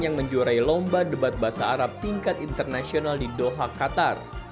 yang menjuarai lomba debat bahasa arab tingkat internasional di doha qatar